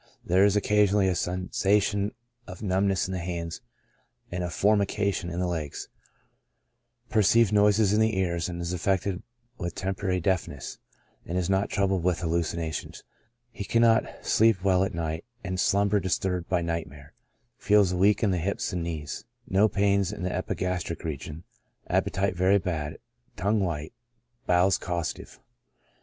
There is occasionally a sensation of numb ness in the hands, and of formication in the legs ; perceives noises in the ears, and is affected with temporary deafness ; is not troubled with hallucinations ; he cannot sleep well at night, and slumber disturbed by nightmare ; feels weak in the hips and knees ; no pains in epigastric region j appetite very bad ; tongue white ; bowels costive.